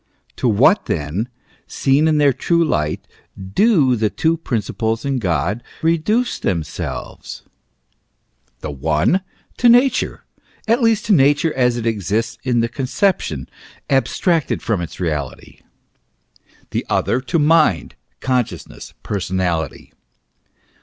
To what then, seen in their true light, do the two principles in God reduce themselves ? The one to Nature, at least to Nature as it exists in the conception, abstracted from its reality ; the other to rnind, consciousness, personality.